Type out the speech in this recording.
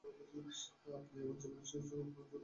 আপনি আমার জীবনের কিছু অংশের জেরে আমাকে দোষী ভাবছেন।